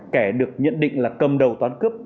kẻ được nhận định là cầm đầu toán cướp